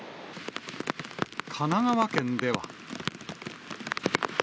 神奈川県では。